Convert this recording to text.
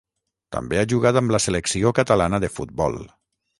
També ha jugat amb la selecció catalana de futbol.